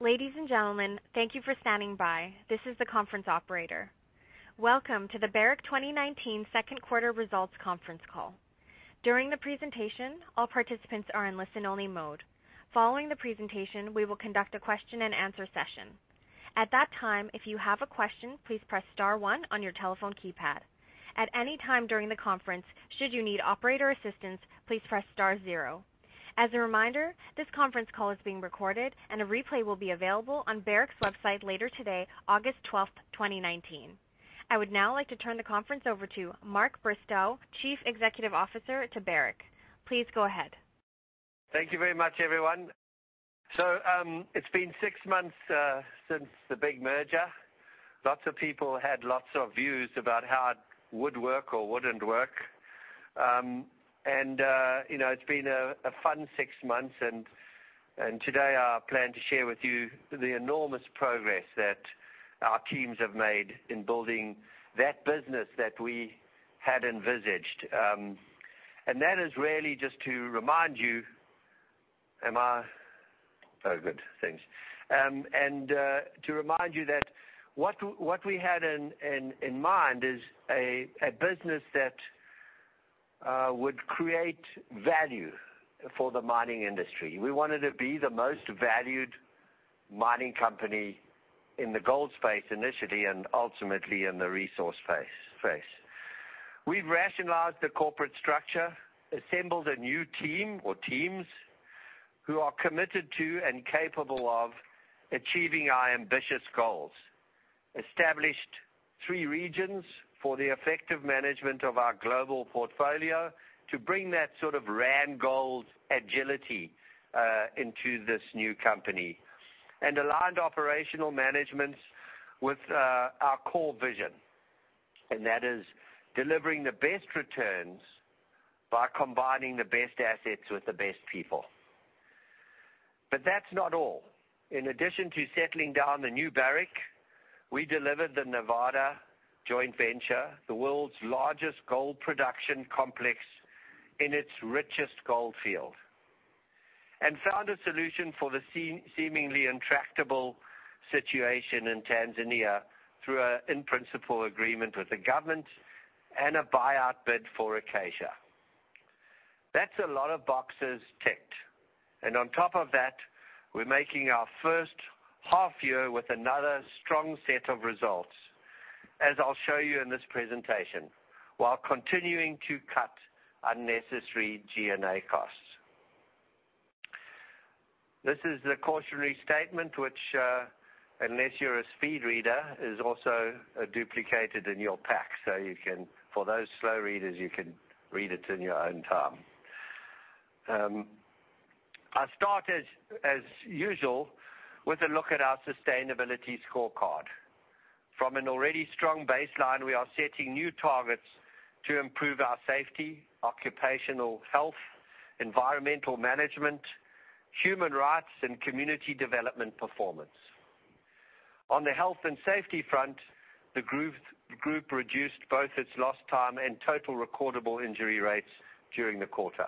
Ladies and gentlemen, thank you for standing by. This is the conference operator. Welcome to the Barrick 2019 second quarter results conference call. During the presentation, all participants are in listen-only mode. Following the presentation, we will conduct a question and answer session. At that time, if you have a question, please press star 1 on your telephone keypad. At any time during the conference, should you need operator assistance, please press star 0. As a reminder, this conference call is being recorded, and a replay will be available on Barrick's website later today, August 12th, 2019. I would now like to turn the conference over to Mark Bristow, Chief Executive Officer to Barrick. Please go ahead. Thank you very much, everyone. It's been six months since the big merger. Lots of people had lots of views about how it would work or wouldn't work. It's been a fun six months, and today I plan to share with you the enormous progress that our teams have made in building that business that we had envisaged. That is really just to remind you. Am I? Oh, good. Thanks. To remind you that what we had in mind is a business that would create value for the mining industry. We wanted to be the most valued mining company in the gold space initially and ultimately in the resource space. We've rationalized the corporate structure, assembled a new team or teams who are committed to and capable of achieving our ambitious goals, established three regions for the effective management of our global portfolio to bring that sort of Randgold agility into this new company. Aligned operational management with our core vision, and that is delivering the best returns by combining the best assets with the best people. That's not all. In addition to settling down the new Barrick, we delivered the Nevada Gold Mines, the world's largest gold production complex in its richest gold field, and found a solution for the seemingly intractable situation in Tanzania through an in-principle agreement with the government and a buyout bid for Acacia. That's a lot of boxes ticked. On top of that, we're making our first half year with another strong set of results, as I'll show you in this presentation, while continuing to cut unnecessary G&A costs. This is the cautionary statement, which, unless you're a speed reader, is also duplicated in your pack, so for those slow readers, you can read it in your own time. I'll start as usual with a look at our sustainability scorecard. From an already strong baseline, we are setting new targets to improve our safety, occupational health, environmental management, human rights, and community development performance. On the health and safety front, the group reduced both its lost time and total recordable injury rates during the quarter.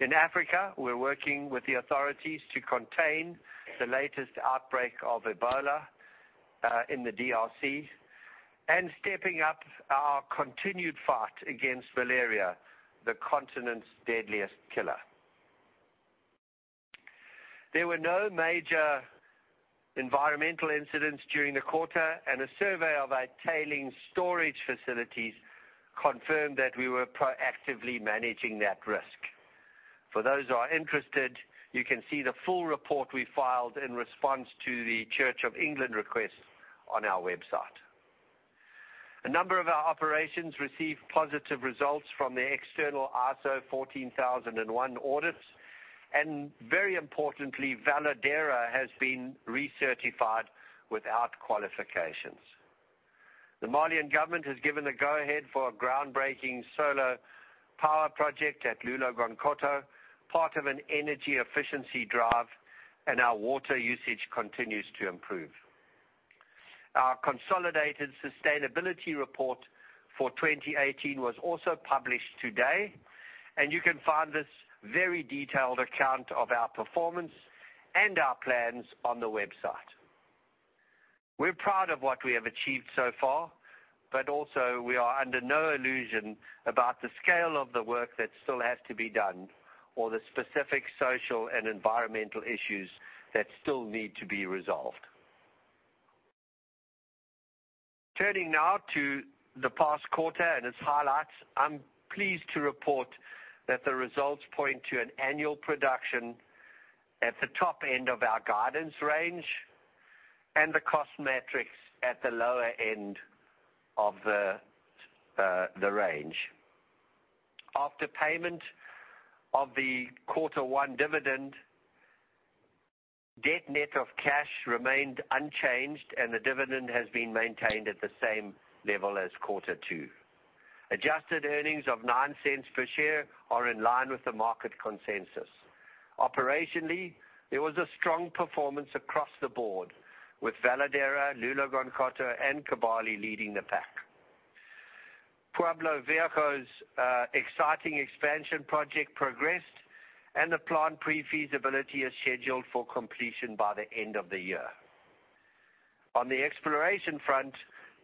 In Africa, we're working with the authorities to contain the latest outbreak of Ebola in the DRC and stepping up our continued fight against malaria, the continent's deadliest killer. There were no major environmental incidents during the quarter, and a survey of our tailings storage facilities confirmed that we were proactively managing that risk. For those who are interested, you can see the full report we filed in response to the Church of England request on our website. A number of our operations received positive results from their external ISO 14001 audits, and very importantly, Veladero has been recertified without qualifications. The Malian government has given the go-ahead for a groundbreaking solar power project at Loulo-Gounkoto, part of an energy efficiency drive, and our water usage continues to improve. Our consolidated sustainability report for 2018 was also published today, and you can find this very detailed account of our performance and our plans on the website. We're proud of what we have achieved so far, but also we are under no illusion about the scale of the work that still has to be done or the specific social and environmental issues that still need to be resolved. Turning now to the past quarter and its highlights. I'm pleased to report that the results point to an annual production at the top end of our guidance range and the cost matrix at the lower end of the range. After payment of the quarter 1 dividend, debt net of cash remained unchanged, and the dividend has been maintained at the same level as quarter 2. Adjusted earnings of $0.09 per share are in line with the market consensus. Operationally, there was a strong performance across the board, with Veladero, Loulo-Gounkoto, and Kibali leading the pack. Pueblo Viejo's exciting expansion project progressed, and the plant pre-feasibility is scheduled for completion by the end of the year. On the exploration front,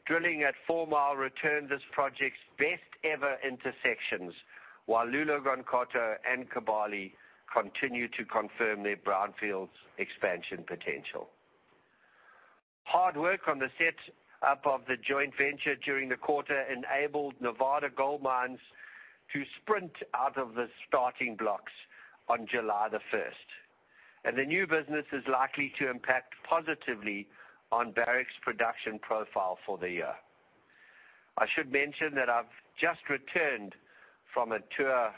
drilling at Fourmile returned this project's best ever intersections, while Loulo-Gounkoto and Kibali continue to confirm their brownfields expansion potential. Hard work on the set up of the joint venture during the quarter enabled Nevada Gold Mines to sprint out of the starting blocks on July the 1st, and the new business is likely to impact positively on Barrick's production profile for the year. I should mention that I've just returned from a tour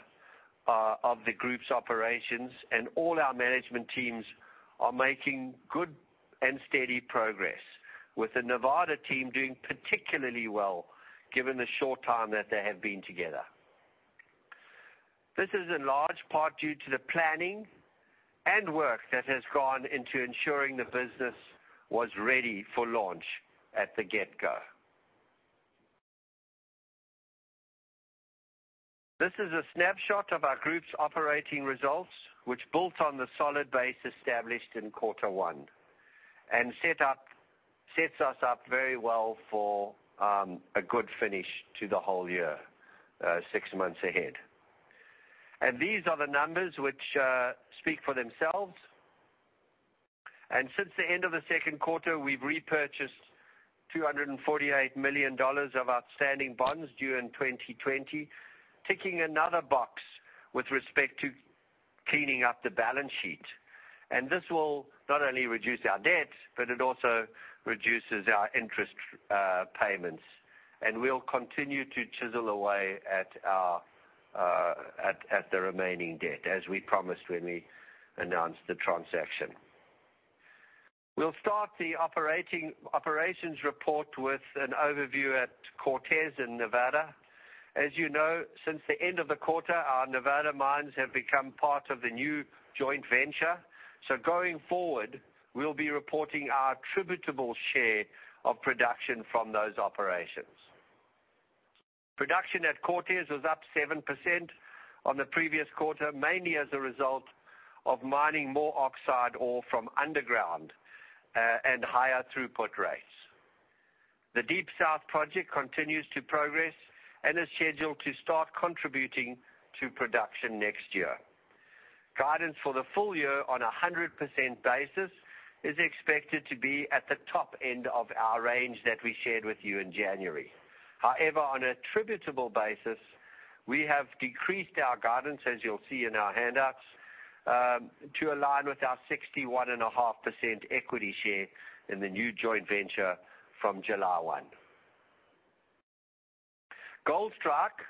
of the group's operations, and all our management teams are making good and steady progress, with the Nevada team doing particularly well given the short time that they have been together. This is in large part due to the planning and work that has gone into ensuring the business was ready for launch at the get-go. This is a snapshot of our group's operating results, which built on the solid base established in quarter one and sets us up very well for a good finish to the whole year, six months ahead. These are the numbers which speak for themselves. Since the end of the second quarter, we've repurchased $248 million of outstanding bonds due in 2020, ticking another box with respect to cleaning up the balance sheet. This will not only reduce our debt, but it also reduces our interest payments. We'll continue to chisel away at the remaining debt, as we promised when we announced the transaction. We'll start the operations report with an overview at Cortez in Nevada. As you know, since the end of the quarter, our Nevada mines have become part of the new joint venture. Going forward, we'll be reporting our attributable share of production from those operations. Production at Cortez was up 7% on the previous quarter, mainly as a result of mining more oxide ore from underground and higher throughput rates. The Deep South project continues to progress and is scheduled to start contributing to production next year. Guidance for the full year on 100% basis is expected to be at the top end of our range that we shared with you in January. However, on an attributable basis, we have decreased our guidance, as you'll see in our handouts, to align with our 61.5% equity share in the new joint venture from July 1. Goldstrike,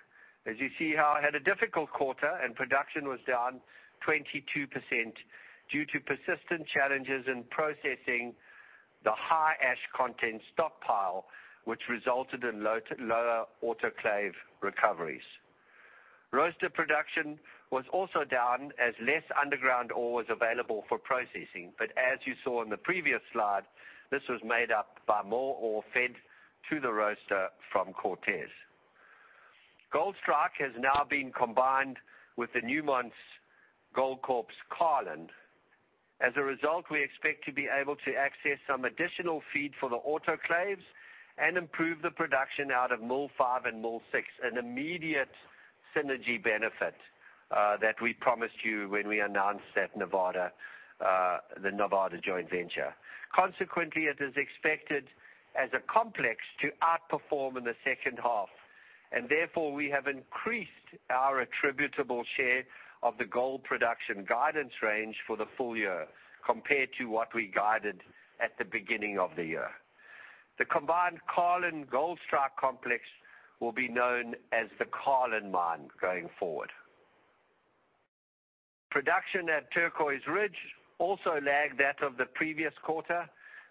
as you see here, had a difficult quarter. Production was down 22% due to persistent challenges in processing the high ash content stockpile, which resulted in lower autoclave recoveries. Roaster production was also down as less underground ore was available for processing. As you saw in the previous slide, this was made up by more ore fed to the roaster from Cortez. Goldstrike has now been combined with the Newmont Goldcorp's Carlin. As a result, we expect to be able to access some additional feed for the autoclaves and improve the production out of Mill five and Mill six, an immediate synergy benefit that we promised you when we announced the Nevada joint venture. Consequently, it is expected as a complex to outperform in the second half, and therefore we have increased our attributable share of the gold production guidance range for the full year compared to what we guided at the beginning of the year. The combined Carlin-Goldstrike complex will be known as the Carlin Mine going forward. Production at Turquoise Ridge also lagged that of the previous quarter,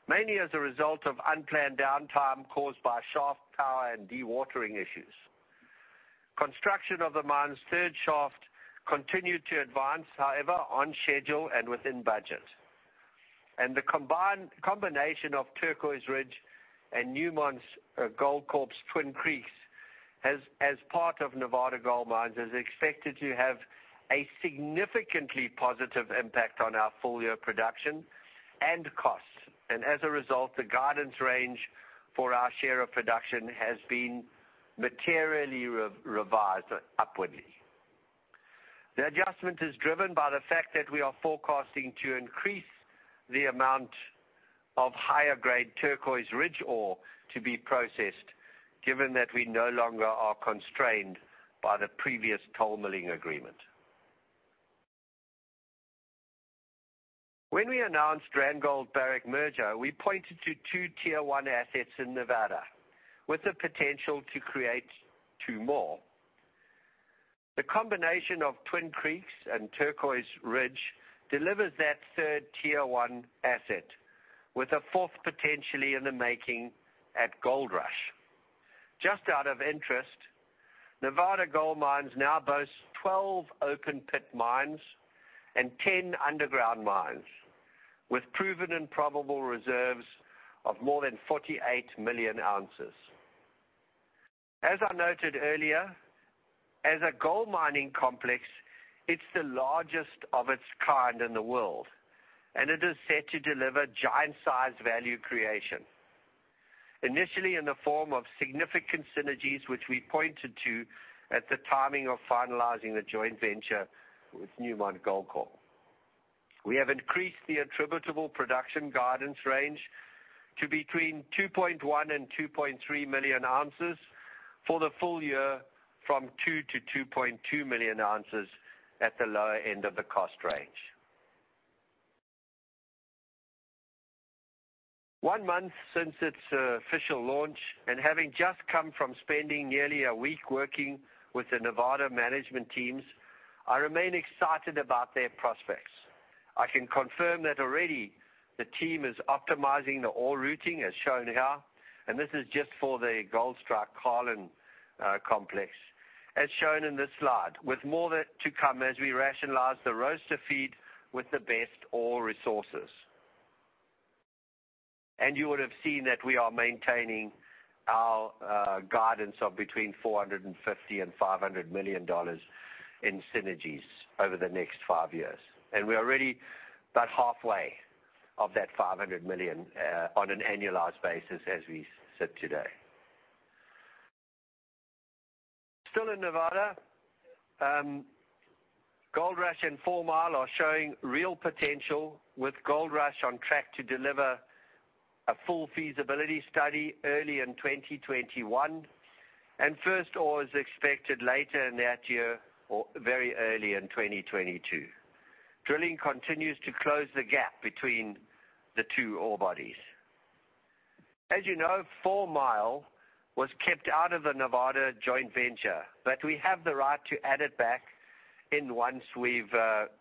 mainly as a result of unplanned downtime caused by shaft, power, and dewatering issues. Construction of the mine's third shaft continued to advance, however, on schedule and within budget. The combination of Turquoise Ridge and Newmont Goldcorp's Twin Creeks as part of Nevada Gold Mines, is expected to have a significantly positive impact on our full-year production and costs. As a result, the guidance range for our share of production has been materially revised upwardly. The adjustment is driven by the fact that we are forecasting to increase the amount of higher-grade Turquoise Ridge ore to be processed, given that we no longer are constrained by the previous toll milling agreement. When we announced Randgold-Barrick merger, we pointed to 2 Tier One assets in Nevada with the potential to create two more. The combination of Twin Creeks and Turquoise Ridge delivers that 3rd Tier One asset with a fourth potentially in the making at Goldrush. Just out of interest, Nevada Gold Mines now boasts 12 open pit mines and 10 underground mines. With proven and probable reserves of more than 48 million ounces. As I noted earlier, as a gold mining complex, it's the largest of its kind in the world, and it is set to deliver giant-sized value creation. Initially in the form of significant synergies, which we pointed to at the timing of finalizing the joint venture with Newmont Goldcorp. We have increased the attributable production guidance range to between 2.1 and 2.3 million ounces for the full year from 2 to 2.2 million ounces at the lower end of the cost range. One month since its official launch, and having just come from spending nearly a week working with the Nevada management teams, I remain excited about their prospects. I can confirm that already the team is optimizing the ore routing, as shown here, and this is just for the Goldstrike-Carlin complex. As shown in this slide, with more to come as we rationalize the roaster feed with the best ore resources. You would have seen that we are maintaining our guidance of between $450 and $500 million in synergies over the next five years. We're already about halfway of that $500 million, on an annualized basis as we sit today. Still in Nevada, Goldrush and Fourmile are showing real potential, with Goldrush on track to deliver a full feasibility study early in 2021. First ore is expected later in that year or very early in 2022. Drilling continues to close the gap between the two ore bodies. As you know, Fourmile was kept out of the Nevada Gold Mines, but we have the right to add it back in once we've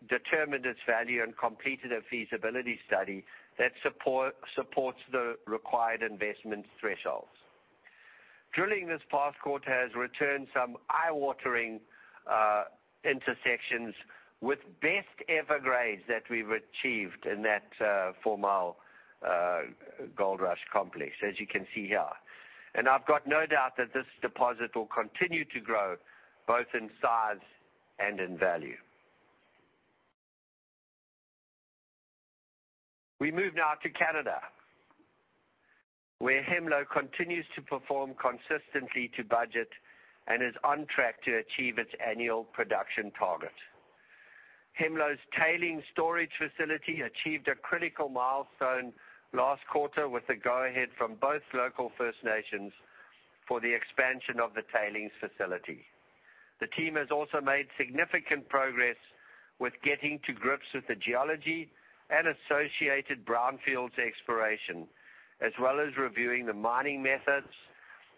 determined its value and completed a feasibility study that supports the required investment thresholds. Drilling this past quarter has returned some eye-watering intersections with best ever grades that we've achieved in that Fourmile Goldrush complex, as you can see here. I've got no doubt that this deposit will continue to grow, both in size and in value. We move now to Canada, where Hemlo continues to perform consistently to budget and is on track to achieve its annual production target. Hemlo's Tailings Storage Facility achieved a critical milestone last quarter with the go-ahead from both local First Nations for the expansion of the Tailings Storage Facility. The team has also made significant progress with getting to grips with the geology and associated brownfields exploration, as well as reviewing the mining methods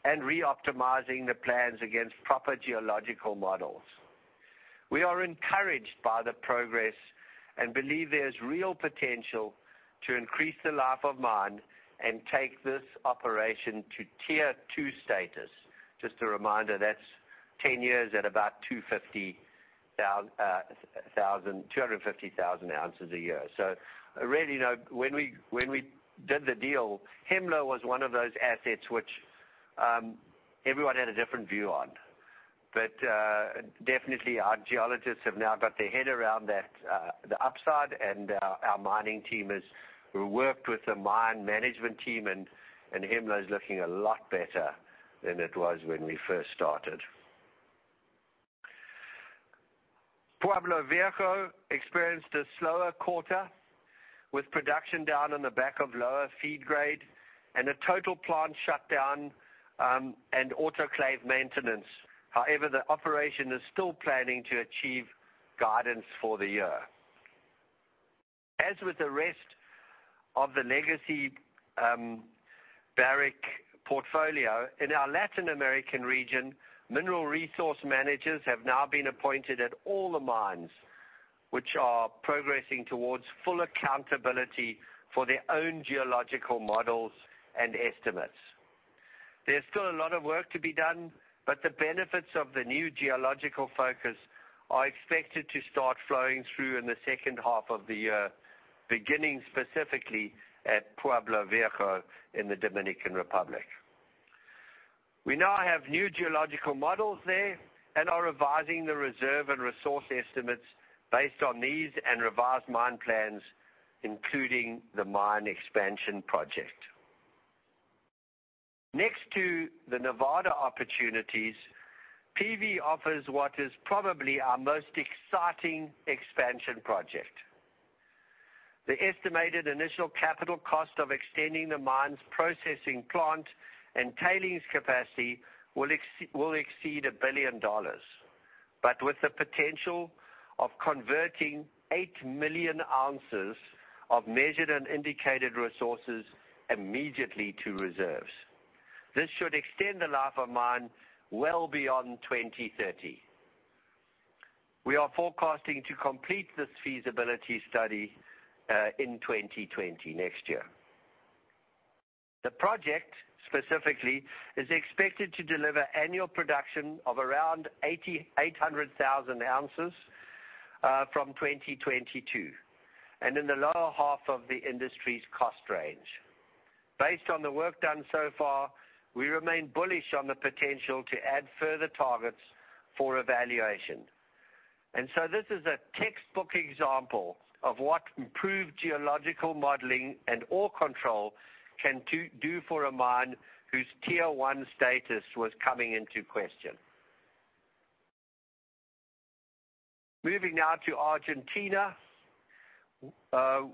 and reoptimizing the plans against proper geological models. We are encouraged by the progress and believe there's real potential to increase the life of mine and take this operation to Tier 2 status. Just a reminder, that's 10 years at about 250,000 ounces a year. Really, when we did the deal, Hemlo was one of those assets which everyone had a different view on. Definitely our geologists have now got their head around the upside and our mining team has worked with the mine management team, and Hemlo is looking a lot better than it was when we first started. Pueblo Viejo experienced a slower quarter with production down on the back of lower feed grade and a total plant shutdown and autoclave maintenance. The operation is still planning to achieve guidance for the year. As with the rest of the legacy Barrick portfolio, in our Latin American region, mineral resource managers have now been appointed at all the mines, which are progressing towards full accountability for their own geological models and estimates. There's still a lot of work to be done, but the benefits of the new geological focus are expected to start flowing through in the second half of the year, beginning specifically at Pueblo Viejo in the Dominican Republic. We now have new geological models there and are revising the reserve and resource estimates based on these and revised mine plans, including the mine expansion project. Next to the Nevada opportunities, PV offers what is probably our most exciting expansion project. The estimated initial capital cost of extending the mine's processing plant and tailings capacity will exceed $1 billion. With the potential of converting 8 million ounces of measured and indicated resources immediately to reserves. This should extend the life of mine well beyond 2030. We are forecasting to complete this feasibility study in 2020, next year. The project, specifically, is expected to deliver annual production of around 800,000 ounces from 2022, and in the lower half of the industry's cost range. Based on the work done so far, we remain bullish on the potential to add further targets for evaluation. This is a textbook example of what improved geological modeling and ore control can do for a mine whose Tier One status was coming into question. Moving now to Argentina,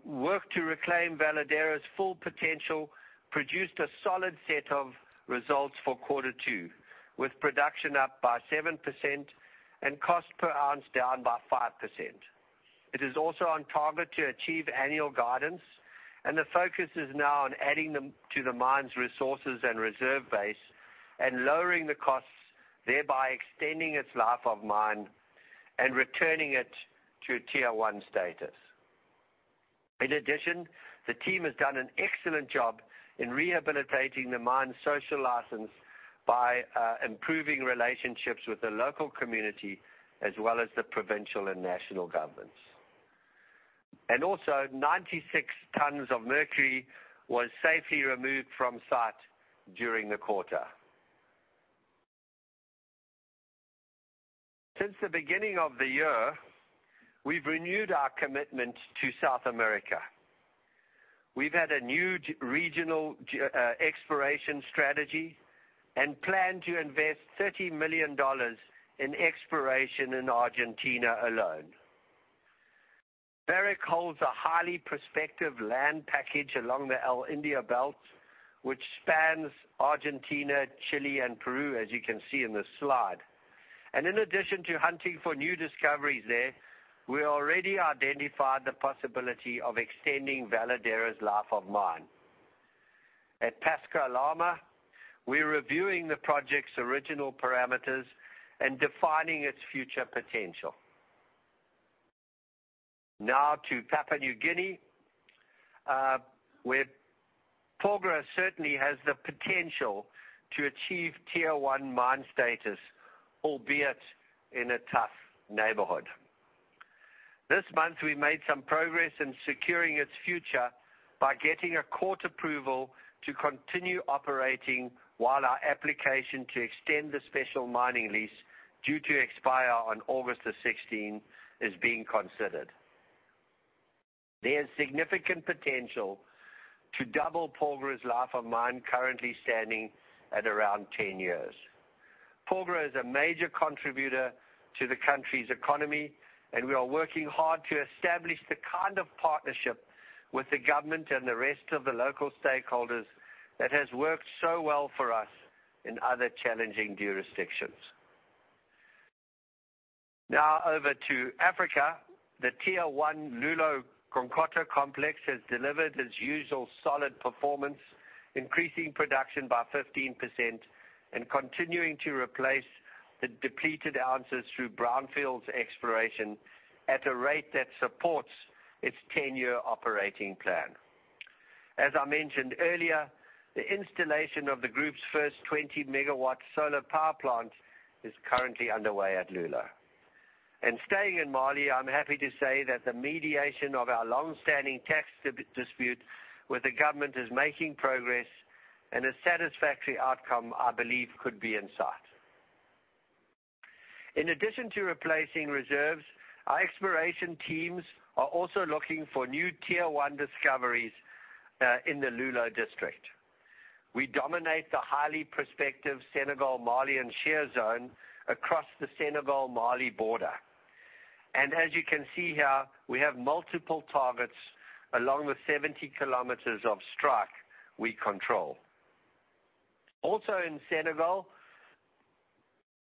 work to reclaim Veladero's full potential produced a solid set of results for quarter two, with production up by 7% and cost per ounce down by 5%. It is also on target to achieve annual guidance, and the focus is now on adding to the mine's resources and reserve base and lowering the costs, thereby extending its life of mine and returning it to Tier One status. In addition, the team has done an excellent job in rehabilitating the mine's social license by improving relationships with the local community as well as the provincial and national governments. Also 96 tons of mercury was safely removed from site during the quarter. Since the beginning of the year, we've renewed our commitment to South America. We've had a new regional exploration strategy and plan to invest $30 million in exploration in Argentina alone. Barrick holds a highly prospective land package along the El Indio Belt, which spans Argentina, Chile, and Peru, as you can see in the slide. In addition to hunting for new discoveries there, we already identified the possibility of extending Veladero's life of mine. At Pascua Lama, we're reviewing the project's original parameters and defining its future potential. Now to Papua New Guinea, where Porgera certainly has the potential to achieve Tier 1 mine status, albeit in a tough neighborhood. This month, we made some progress in securing its future by getting a court approval to continue operating while our application to extend the special mining lease due to expire on August the 16th is being considered. There's significant potential to double Porgera's life of mine, currently standing at around 10 years. Porgera is a major contributor to the country's economy, and we are working hard to establish the kind of partnership with the government and the rest of the local stakeholders that has worked so well for us in other challenging jurisdictions. Over to Africa. The Tier One Loulo-Gounkoto complex has delivered its usual solid performance, increasing production by 15% and continuing to replace the depleted ounces through brownfields exploration at a rate that supports its 10-year operating plan. As I mentioned earlier, the installation of the group's first 20-megawatt solar power plant is currently underway at Loulo. Staying in Mali, I'm happy to say that the mediation of our long-standing tax dispute with the government is making progress, and a satisfactory outcome, I believe, could be in sight. In addition to replacing reserves, our exploration teams are also looking for new Tier One discoveries in the Loulo district. We dominate the highly prospective Senegal-Malian Shear Zone across the Senegal-Mali border. As you can see here, we have multiple targets along the 70 kilometers of strike we control. In Senegal,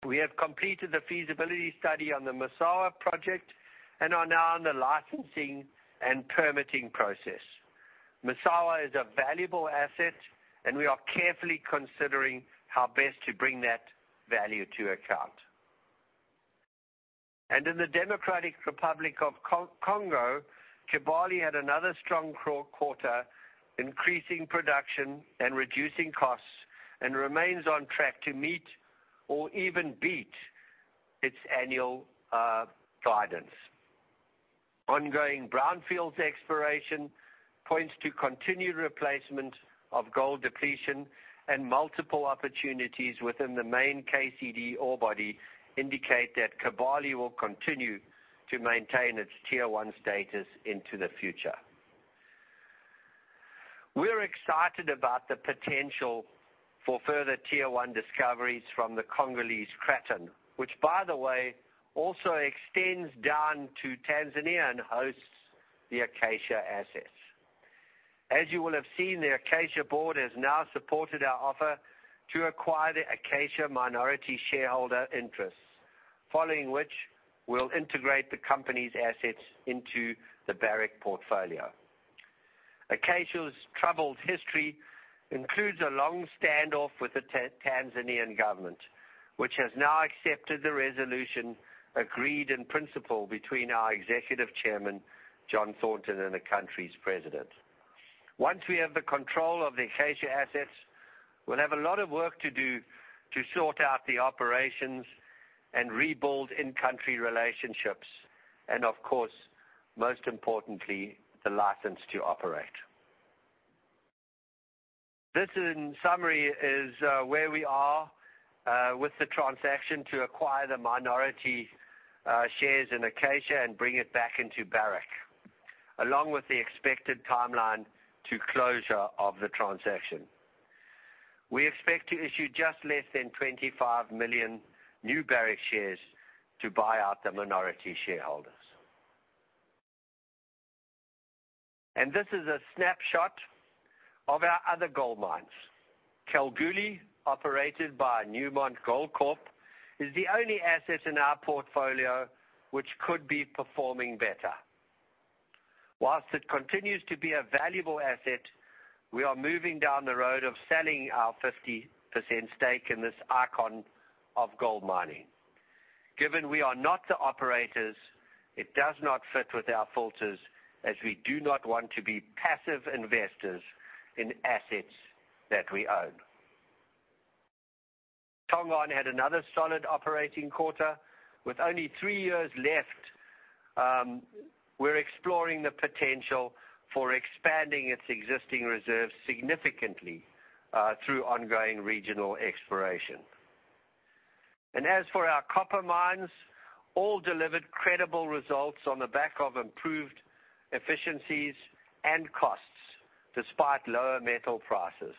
we have completed the feasibility study on the Massawa project and are now in the licensing and permitting process. Massawa is a valuable asset, and we are carefully considering how best to bring that value to account. In the Democratic Republic of Congo, Kibali had another strong quarter, increasing production and reducing costs, and remains on track to meet or even beat its annual guidance. Ongoing brownfields exploration points to continued replacement of gold depletion and multiple opportunities within the main KCD ore body indicate that Kibali will continue to maintain its Tier 1 status into the future. We're excited about the potential for further Tier 1 discoveries from the Congolese Craton, which, by the way, also extends down to Tanzania and hosts the Acacia assets. As you will have seen, the Acacia board has now supported our offer to acquire the Acacia minority shareholder interests, following which we'll integrate the company's assets into the Barrick portfolio. Acacia's troubled history includes a long standoff with the Tanzanian government. Which has now accepted the resolution agreed in principle between our Executive Chairman, John Thornton, and the country's president. Once we have the control of the Acacia assets, we'll have a lot of work to do to sort out the operations and rebuild in-country relationships, and of course, most importantly, the license to operate. This, in summary, is where we are with the transaction to acquire the minority shares in Acacia and bring it back into Barrick, along with the expected timeline to closure of the transaction. We expect to issue just less than 25 million new Barrick shares to buy out the minority shareholders. This is a snapshot of our other gold mines. Kalgoorlie, operated by Newmont Goldcorp, is the only asset in our portfolio which could be performing better. Whilst it continues to be a valuable asset, we are moving down the road of selling our 50% stake in this icon of gold mining. Given we are not the operators, it does not fit with our filters, as we do not want to be passive investors in assets that we own. Tongon had another solid operating quarter. With only three years left, we're exploring the potential for expanding its existing reserves significantly through ongoing regional exploration. As for our copper mines, all delivered credible results on the back of improved efficiencies and costs, despite lower metal prices.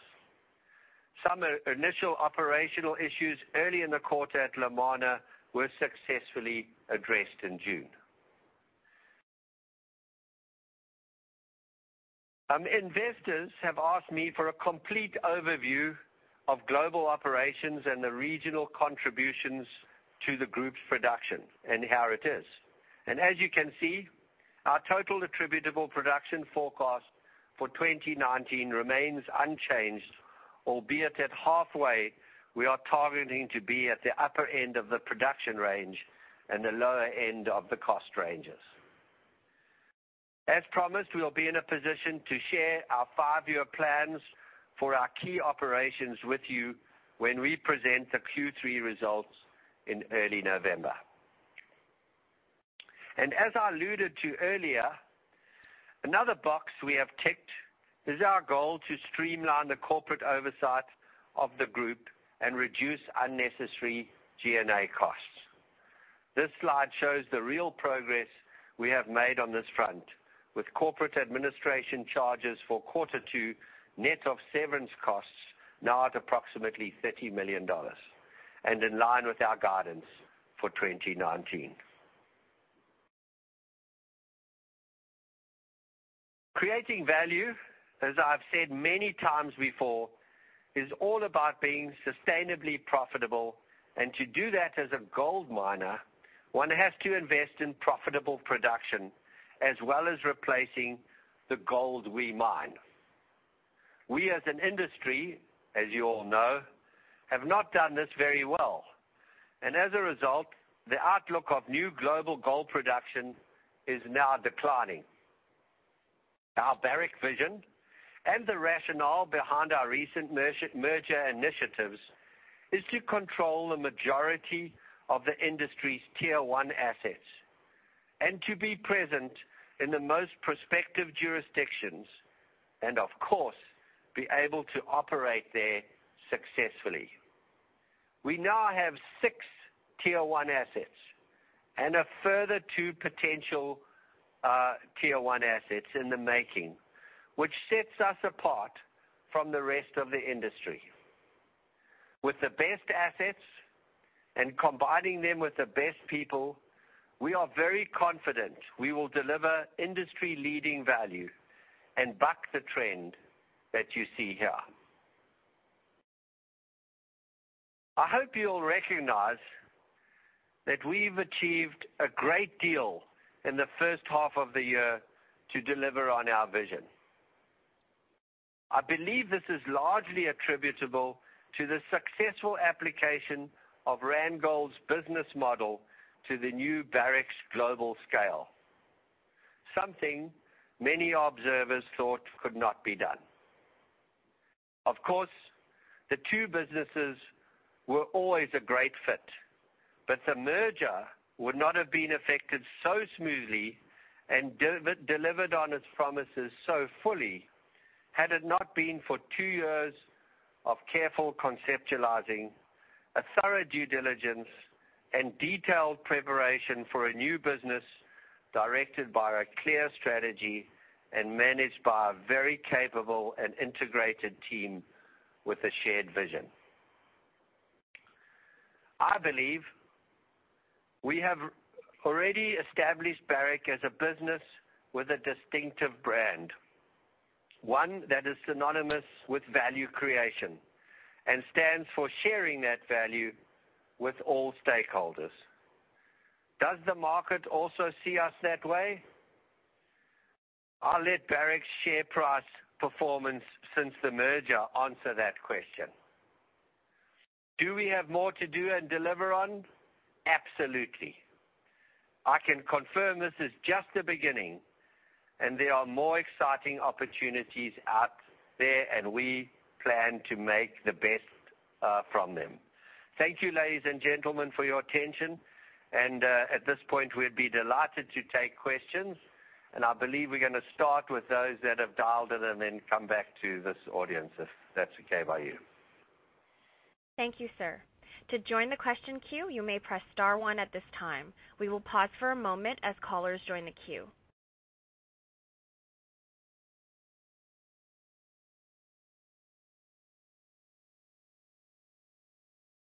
Some initial operational issues early in the quarter at Lumwana were successfully addressed in June. Investors have asked me for a complete overview of global operations and the regional contributions to the group's production and how it is. As you can see, our total attributable production forecast for 2019 remains unchanged, albeit at halfway, we are targeting to be at the upper end of the production range and the lower end of the cost ranges. As promised, we'll be in a position to share our five-year plans for our key operations with you when we present the Q3 results in early November. As I alluded to earlier, another box we have ticked is our goal to streamline the corporate oversight of the group and reduce unnecessary G&A costs. This slide shows the real progress we have made on this front, with corporate administration charges for quarter two, net of severance costs now at approximately $30 million, and in line with our guidance for 2019. Creating value, as I've said many times before, is all about being sustainably profitable. To do that as a gold miner, one has to invest in profitable production, as well as replacing the gold we mine. We as an industry, as you all know, have not done this very well. As a result, the outlook of new global gold production is now declining. Our Barrick vision and the rationale behind our recent merger initiatives is to control the majority of the industry's Tier 1 assets and to be present in the most prospective jurisdictions, and of course, be able to operate there successfully. We now have six Tier 1 assets and a further two potential Tier 1 assets in the making, which sets us apart from the rest of the industry. With the best assets and combining them with the best people, we are very confident we will deliver industry-leading value and buck the trend that you see here. I hope you all recognize that we've achieved a great deal in the first half of the year to deliver on our vision. I believe this is largely attributable to the successful application of Randgold's business model to the new Barrick's global scale. Something many observers thought could not be done. Of course, the two businesses were always a great fit, but the merger would not have been affected so smoothly and delivered on its promises so fully had it not been for two years of careful conceptualizing, a thorough due diligence, and detailed preparation for a new business directed by a clear strategy and managed by a very capable and integrated team with a shared vision. I believe we have already established Barrick as a business with a distinctive brand, one that is synonymous with value creation and stands for sharing that value with all stakeholders. Does the market also see us that way? I'll let Barrick's share price performance since the merger answer that question. Do we have more to do and deliver on? Absolutely. I can confirm this is just the beginning, and there are more exciting opportunities out there, and we plan to make the best from them. Thank you, ladies and gentlemen, for your attention, and at this point, we'd be delighted to take questions. I believe we're going to start with those that have dialed in and then come back to this audience, if that's okay by you. Thank you, sir. To join the question queue, you may press star one at this time. We will pause for a moment as callers join the queue.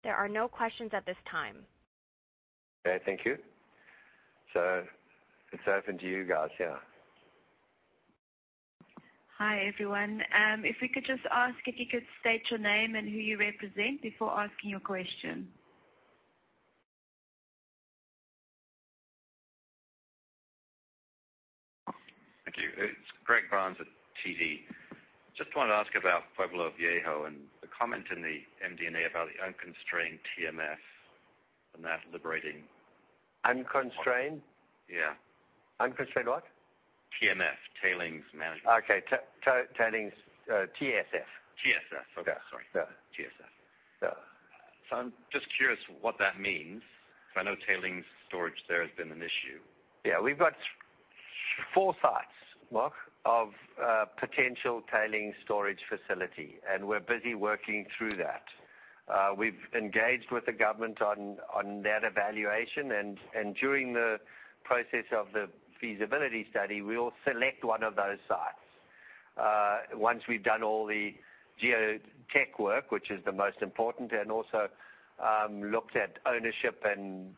There are no questions at this time. Okay. Thank you. It's open to you guys now. Hi, everyone. If we could just ask if you could state your name and who you represent before asking your question. Thank you. It is Greg Barnes at TD. Just wanted to ask about Pueblo Viejo and the comment in the MD&A about the unconstrained TSF and that liberating. Unconstrained? Yeah. Unconstrained what? TSF, tailings management. Okay. Tailings, TSF. TSF. Okay, sorry. Yeah. TSF. Yeah. I'm just curious what that means, because I know tailings storage there has been an issue. Yeah. We've got four sites, Mark, of potential tailings storage facility. We're busy working through that. We've engaged with the government on that evaluation. During the process of the feasibility study, we'll select one of those sites. Once we've done all the geotech work, which is the most important, and also looked at ownership and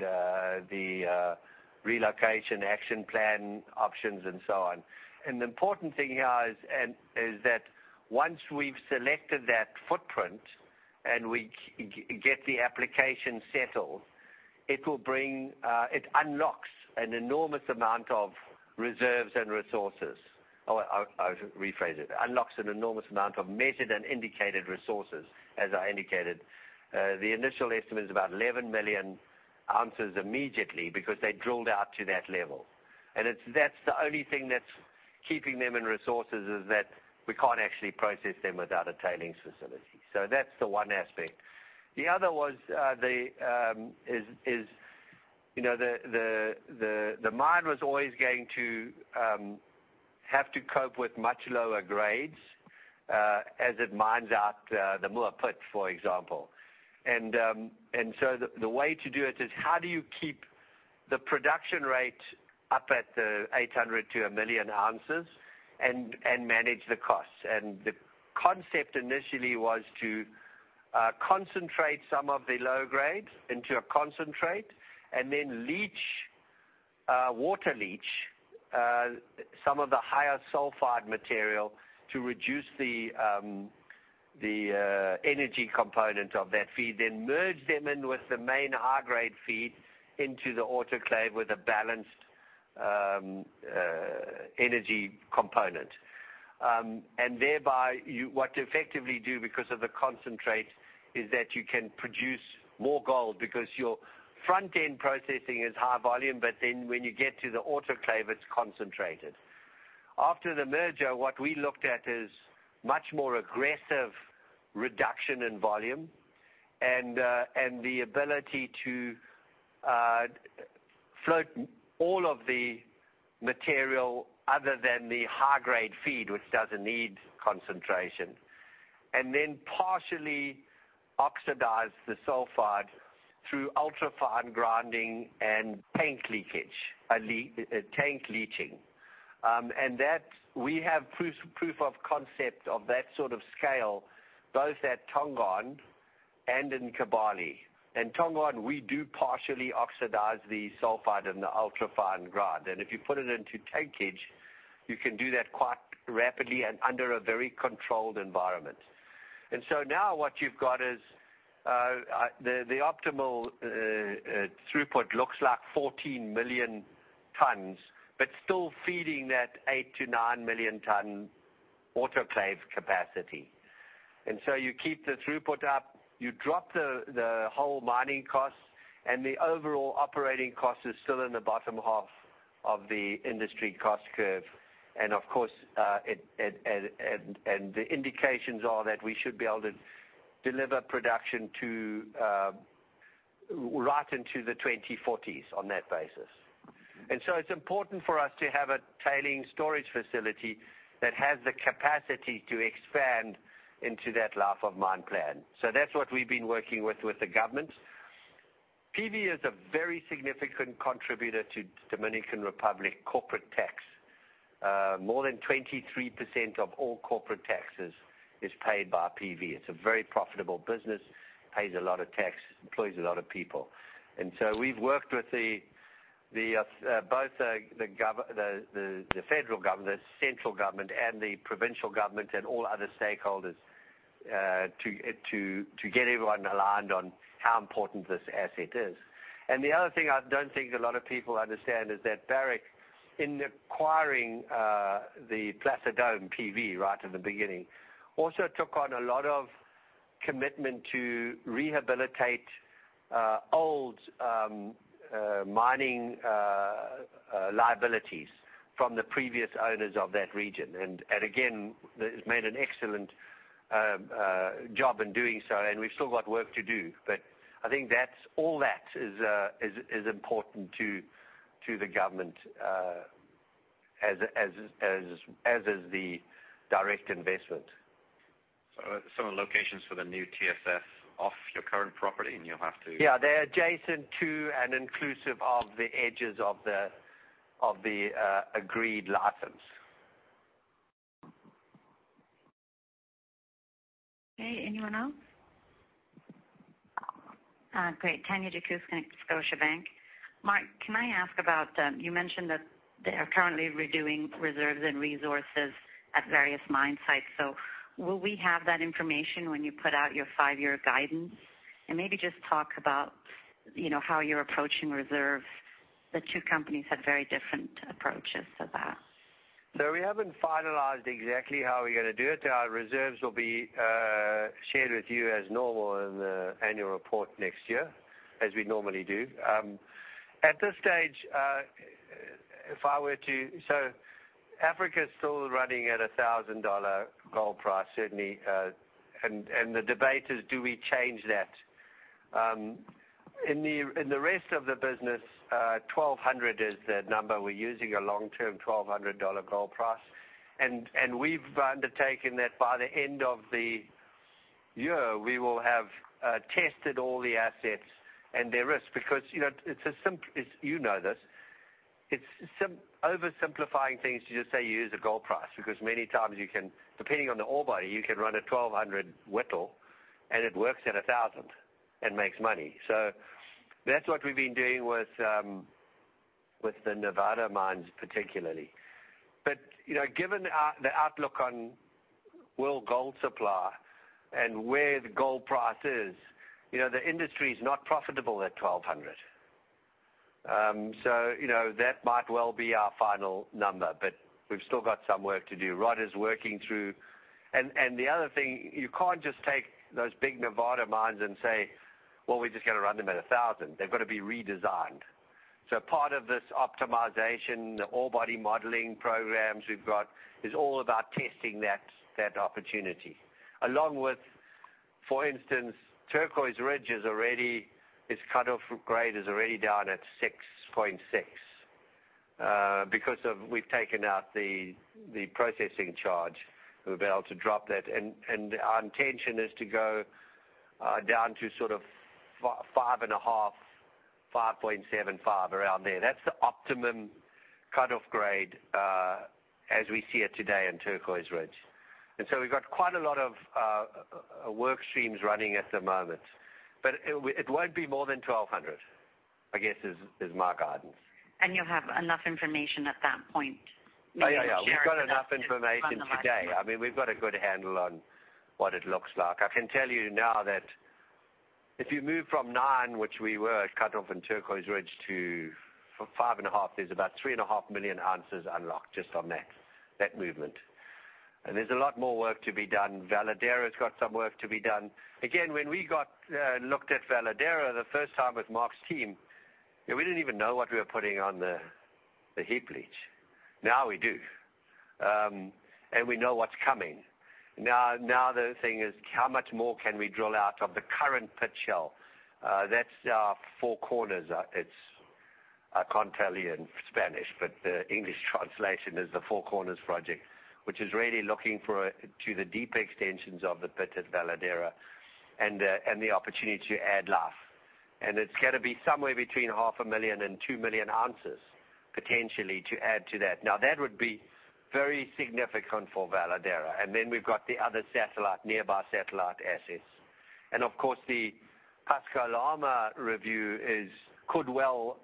the relocation action plan options and so on. The important thing here is that once we've selected that footprint and we get the application settled, it unlocks an enormous amount of reserves and resources. I'll rephrase it. Unlocks an enormous amount of measured and indicated resources, as I indicated. The initial estimate is about 11 million ounces immediately because they drilled out to that level. That's the only thing that's keeping them in resources, is that we can't actually process them without a tailings facility. That's the one aspect. The other was the mine was always going to have to cope with much lower grades, as it mines out the Moore pit, for example. So the way to do it is how do you keep the production rate up at the 800-1 million ounces and manage the costs? The concept initially was to concentrate some of the low grades into a concentrate and then water leach some of the higher sulfide material to reduce the energy component of that feed, then merge them in with the main high-grade feed into the autoclave with a balanced energy component. Thereby, what you effectively do because of the concentrate is that you can produce more gold because your front-end processing is high volume, but then when you get to the autoclave, it's concentrated. After the merger, what we looked at is much more aggressive reduction in volume and the ability to float all of the material other than the high-grade feed, which doesn't need concentration, and then partially oxidize the sulfide through ultra-fine grinding and tank leaching. That we have proof of concept of that sort of scale, both at Tongon and in Kibali. In Tongon, we do partially oxidize the sulfide and the ultra-fine grind. If you put it into tankage, you can do that quite rapidly and under a very controlled environment. Now what you've got is the optimal throughput looks like 14 million tons, but still feeding that 8 million-9 million ton autoclave capacity. You keep the throughput up, you drop the whole mining cost, and the overall operating cost is still in the bottom half of the industry cost curve. The indications are that we should be able to deliver production right into the 2040s on that basis. It's important for us to have a Tailings Storage Facility that has the capacity to expand into that life of mine plan. That's what we've been working with with the government. PV is a very significant contributor to Dominican Republic corporate tax. More than 23% of all corporate taxes is paid by PV. It's a very profitable business, pays a lot of tax, employs a lot of people. We've worked with both the federal government, central government and the provincial government and all other stakeholders to get everyone aligned on how important this asset is. The other thing I don't think a lot of people understand is that Barrick, in acquiring the Placer Dome PV right at the beginning, also took on a lot of commitment to rehabilitate old mining liabilities from the previous owners of that region. Again, it has made an excellent job in doing so, and we've still got work to do. I think all that is important to the government, as is the direct investment. Are some of the locations for the new TSF off your current property? Yeah. They're adjacent to and inclusive of the edges of the agreed license. Okay. Anyone else? Great. Tanya Jakusconek, Scotiabank. Mark, can I ask about, you mentioned that they are currently redoing reserves and resources at various mine sites. Will we have that information when you put out your five-year guidance? Maybe just talk about how you're approaching reserve. The two companies had very different approaches to that. We haven't finalized exactly how we're going to do it. Our reserves will be shared with you as normal in the annual report next year, as we normally do. At this stage, Africa's still running at $1,000 gold price, certainly, and the debate is do we change that? In the rest of the business, $1,200 is the number we're using, a long-term $1,200 gold price. We've undertaken that by the end of the year, we will have tested all the assets and their risks because You know this. it's over simplifying things to just say use the gold price because many times you can, depending on the ore body, you can run a $1,200 Whittle and it works at $1,000 and makes money. That's what we've been doing with the Nevada mines, particularly. Given the outlook on world gold supply and where the gold price is, the industry's not profitable at $1,200. That might well be our final number, but we've still got some work to do Rod is working through. The other thing, you can't just take those big Nevada mines and say, "Well, we're just going to run them at $1,000." They've got to be redesigned. Part of this optimization, the ore body modeling programs we've got is all about testing that opportunity. Along with, for instance, Turquoise Ridge is already, its cutoff grade is already down at 6.6, because we've taken out the processing charge. We've been able to drop that. Our intention is to go down to 5.5.75, around there. That's the optimum cutoff grade, as we see it today in Turquoise Ridge. We've got quite a lot of work streams running at the moment, but it won't be more than 1,200, I guess is my guidance. You'll have enough information at that point maybe to share with us. Yeah. We've got enough information today. from the last- We've got a good handle on what it looks like. I can tell you now that if you move from 9, which we were at cutoff in Turquoise Ridge to 5.5, there's about 3.5 million ounces unlocked just on that movement. There's a lot more work to be done. Veladero's got some work to be done. Again, when we looked at Veladero the first time with Mark's team, we didn't even know what we were putting on the heap leach. Now we do. We know what's coming. Now the thing is how much more can we drill out of the current pit shell? That's our Four Corners. I can't tell you in Spanish, but the English translation is the Four Corners project, which is really looking to the deeper extensions of the pit at Veladero and the opportunity to add life. It's got to be somewhere between half a million and 2 million ounces potentially to add to that. Now, that would be very significant for Veladero. Then we've got the other nearby satellite assets. Of course, the Pascua Lama review could well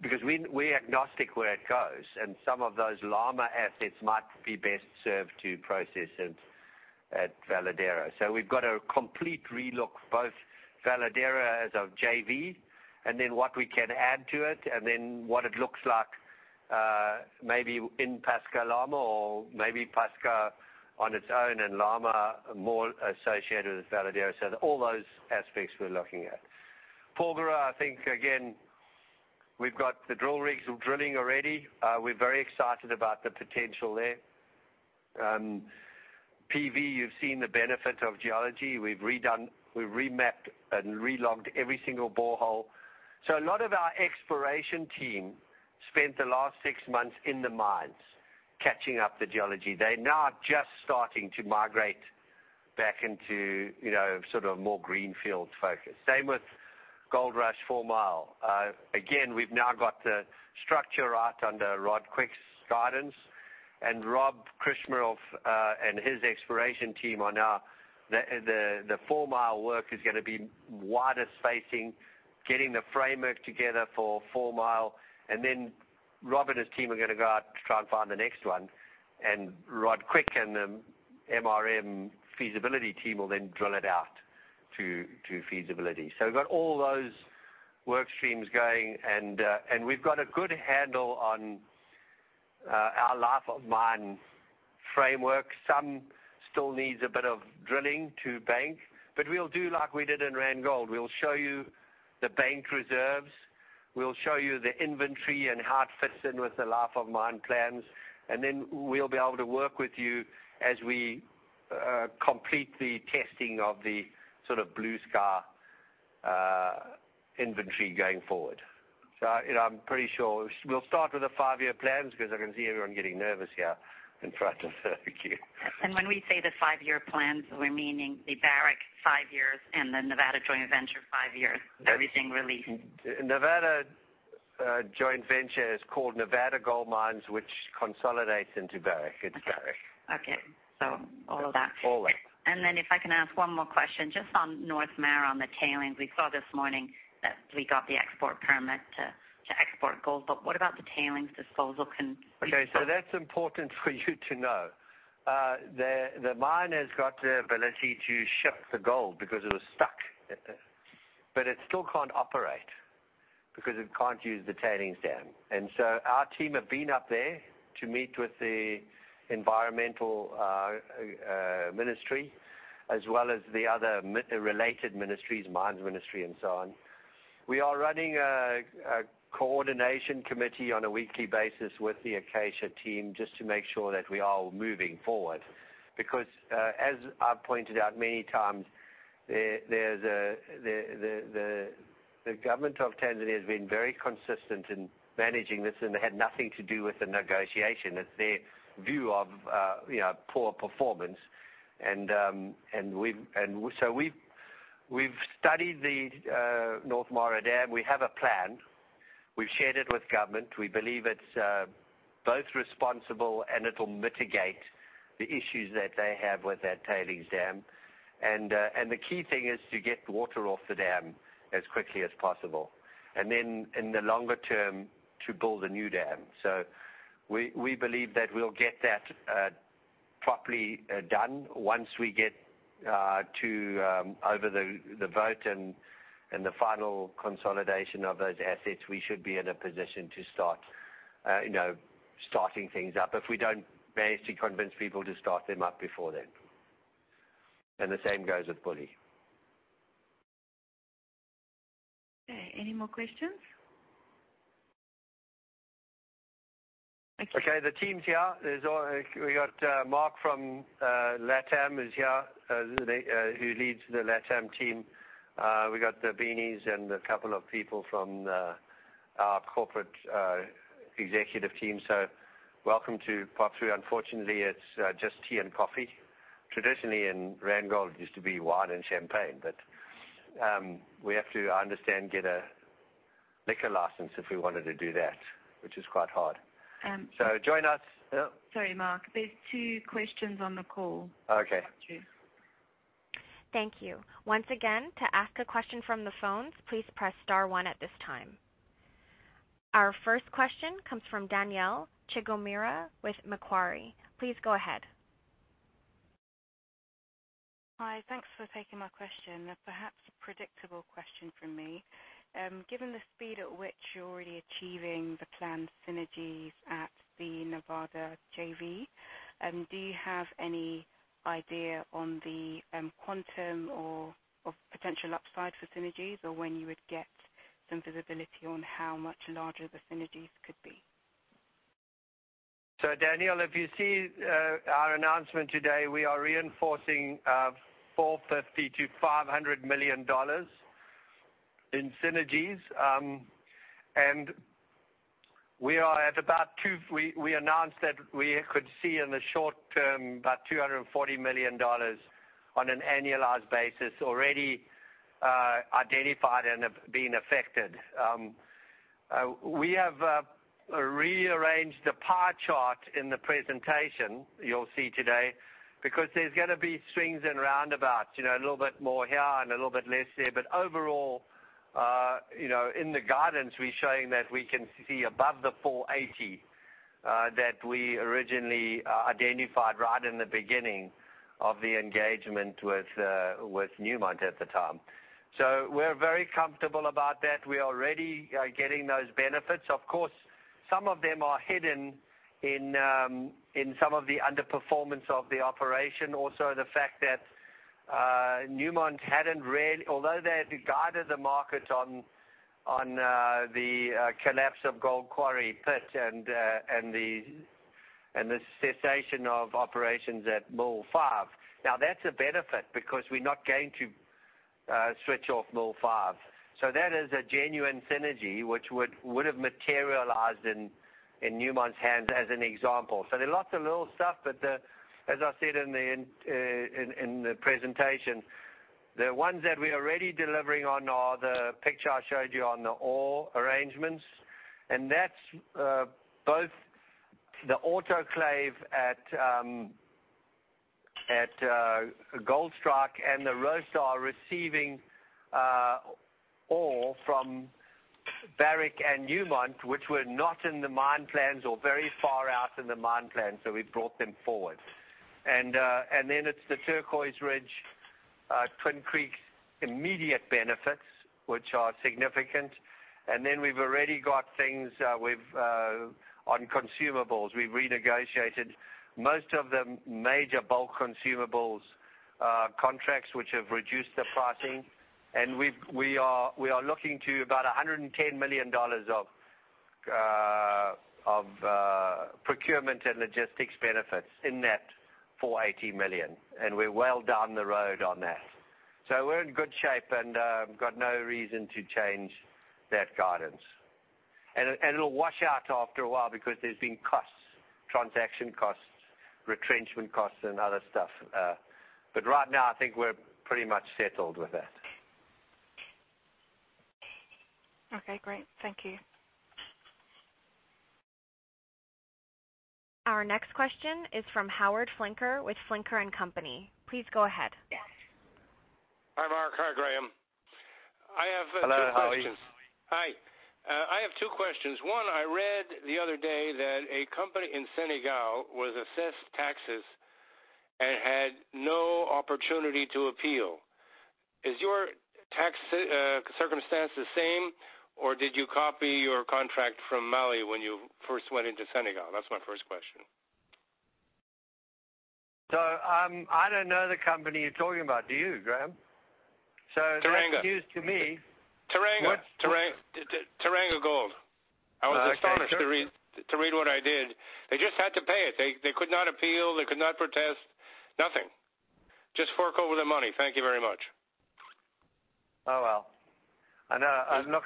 Because we're agnostic where it goes, some of those Lama assets might be best served to process at Veladero. We've got a complete relook, both Veladero as a JV then what we can add to it, then what it looks like maybe in Pascua Lama or maybe Pascua on its own and Lama more associated with Veladero. All those aspects we're looking at. Porgera, I think, again, we've got the drill rigs drilling already. We're very excited about the potential there. PV, you've seen the benefit of geology. We've redone, we've remapped and re-logged every single borehole. A lot of our exploration team spent the last 6 months in the mines catching up the geology. They now are just starting to migrate back into sort of more greenfield focus. Same with Goldrush 4 Mile. We've now got the structure right under Rod Quick's guidance and Rob Krcmarov and his exploration team are now, the 4 Mile work is going to be wider spacing, getting the framework together for 4 Mile and then-Rob and his team are going to go out to try and find the next one, and Rod Quick and the MRM feasibility team will then drill it out to feasibility. We've got all those work streams going, and we've got a good handle on our life of mine framework. Some still needs a bit of drilling to bank, but we'll do like we did in Randgold. We'll show you the bank reserves, we'll show you the inventory and how it fits in with the life of mine plans, and then we'll be able to work with you as we complete the testing of the blue sky inventory going forward. I'm pretty sure we'll start with the five-year plans because I can see everyone getting nervous here in front of you. When we say the five-year plans, we're meaning the Barrick five years and the Nevada joint venture five years, everything released. Nevada joint venture is called Nevada Gold Mines, which consolidates into Barrick. It's Barrick. Okay. All of that. All that. If I can ask one more question, just on North Mara, on the tailings. We saw this morning that we got the export permit to export gold, but what about the tailings disposal? Okay, that's important for you to know. The mine has got the ability to ship the gold because it was stuck. It still can't operate because it can't use the tailings dam. Our team have been up there to meet with the environmental ministry as well as the other related ministries, mines ministry and so on. We are running a coordination committee on a weekly basis with the Acacia team just to make sure that we are moving forward. As I've pointed out many times, the government of Tanzania has been very consistent in managing this, and it had nothing to do with the negotiation. It's their view of poor performance. We've studied the North Mara dam. We have a plan. We've shared it with government. We believe it's both responsible and it'll mitigate the issues that they have with that tailings dam. The key thing is to get water off the dam as quickly as possible, and then in the longer term, to build a new dam. We believe that we'll get that properly done once we get to over the vote and the final consolidation of those assets, we should be in a position to start things up if we don't manage to convince people to start them up before then. The same goes with Buly. Okay. Any more questions? Thank you. Okay, the team's here. We got Mark from Latam is here, who leads the Latam team. We got the beanies and a couple of people from our corporate executive team. Welcome to pop through. Unfortunately, it's just tea and coffee. Traditionally in Randgold, it used to be wine and champagne, but we have to, I understand, get a liquor license if we wanted to do that, which is quite hard. Join us. Sorry, Mark, there's two questions on the call. Okay. Thank you. Thank you. Once again, to ask a question from the phones, please press star one at this time. Our first question comes from Danielle Chigumira with Macquarie. Please go ahead. Hi. Thanks for taking my question. Perhaps a predictable question from me. Given the speed at which you're already achieving the planned synergies at the Nevada JV, do you have any idea on the quantum or potential upside for synergies, or when you would get some visibility on how much larger the synergies could be? Danielle, if you see our announcement today, we are reinforcing $450 million-$500 million in synergies. We announced that we could see in the short term about $240 million on an annualized basis already identified and being affected. We have rearranged the pie chart in the presentation you'll see today because there's going to be swings and roundabouts, a little bit more here and a little bit less there. Overall, in the guidance we're showing that we can see above the $480 million that we originally identified right in the beginning of the engagement with Newmont at the time. We're very comfortable about that. We're already getting those benefits. Of course, some of them are hidden in some of the underperformance of the operation. The fact that Newmont hadn't really-- although they had guided the market on the collapse of Gold Quarry pit and the cessation of operations at Mill Five. That's a benefit because we're not going to switch off Mill Five. That is a genuine synergy which would have materialized in Newmont's hands as an example. There are lots of little stuff, but as I said in the presentation, the ones that we are already delivering on are the picture I showed you on the ore arrangements, and that's both the autoclave at Gold Strike and the roaster are receiving ore from Barrick and Newmont, which were not in the mine plans or very far out in the mine plan, so we brought them forward. It's the Turquoise Ridge, Twin Creeks immediate benefits, which are significant. We've already got things with on consumables. We've renegotiated most of the major bulk consumables contracts, which have reduced the pricing. We are looking to about $110 million of procurement and logistics benefits in that $480 million, and we're well down the road on that. We're in good shape and got no reason to change that guidance. It'll wash out after a while because there's been costs, transaction costs, retrenchment costs, and other stuff. Right now, I think we're pretty much settled with that. Okay, great. Thank you. Our next question is from Howard Flinker with Flinker & Company. Please go ahead. Hi, Mark. Hi, Graham. I have two questions. Hello, Howard. Hi. I have two questions. One, I read the other day that a company in Senegal was assessed taxes and had no opportunity to appeal. Is your tax circumstance the same, or did you copy your contract from Mali when you first went into Senegal? That's my first question. I don't know the company you're talking about. Do you, Graham? That's news to me. Teranga. Teranga Gold. I see. Sure. I was astonished to read what I did. They just had to pay it. They could not appeal. They could not protest, nothing. Just fork over the money. Thank you very much. Oh, well. Look,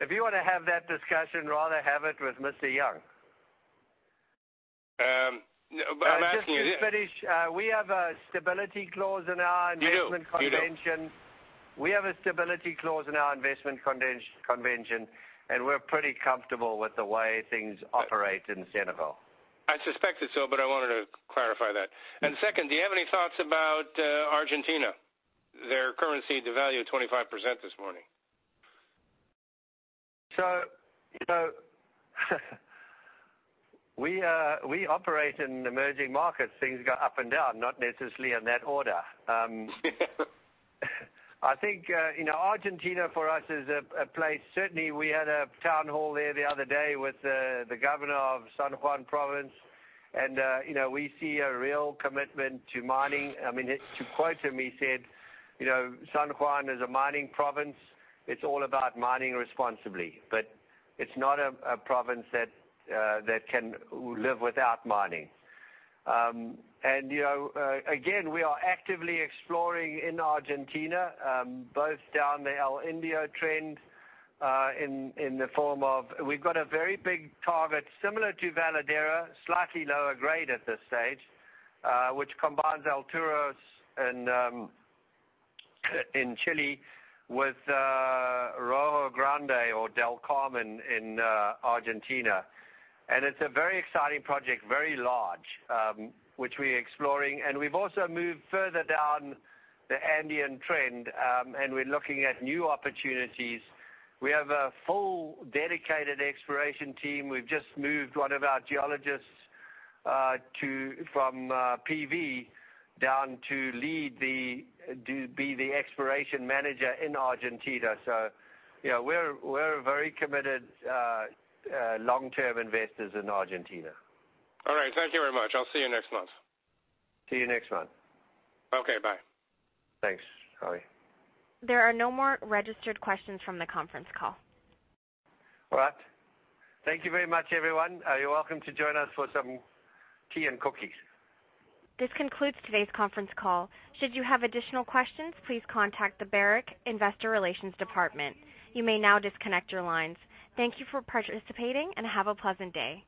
if you want to have that discussion, rather have it with Mr. Young. No, but I'm asking you this. Just to finish, we have a stability clause in our investment convention. You do We have a stability clause in our investment convention, and we're pretty comfortable with the way things operate in Senegal. I suspected so, but I wanted to clarify that. Second, do you have any thoughts about Argentina? Their currency devalued 25% this morning. We operate in emerging markets. Things go up and down, not necessarily in that order. I think Argentina for us is a place, certainly we had a town hall there the other day with the governor of San Juan Province, we see a real commitment to mining. To quote him, he said, "San Juan is a mining province. It's all about mining responsibly. It's not a province that can live without mining." Again, we are actively exploring in Argentina, both down the El Indio trend, in the form of, we've got a very big target similar to Veladero, slightly lower grade at this stage, which combines Alturas in Chile with Rojo Grande or Del Carmen in Argentina. It's a very exciting project, very large, which we're exploring, we've also moved further down the Andean trend, we're looking at new opportunities. We have a full dedicated exploration team. We've just moved one of our geologists from PV down to be the exploration manager in Argentina. We're very committed long-term investors in Argentina. All right. Thank you very much. I'll see you next month. See you next month. Okay, bye. Thanks, Howard. There are no more registered questions from the conference call. All right. Thank you very much, everyone. You're welcome to join us for some tea and cookies. This concludes today's conference call. Should you have additional questions, please contact the Barrick Investor Relations Department. You may now disconnect your lines. Thank you for participating, and have a pleasant day.